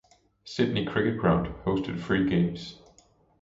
Sydney Cricket Ground hosted three games.